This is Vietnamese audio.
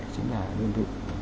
chính là đơn vị